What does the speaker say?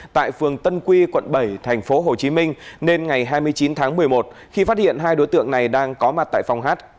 tại phường tân quy quận bảy tp hcm nên ngày hai mươi chín tháng một mươi một khi phát hiện hai đối tượng này đang có mặt tại phòng hát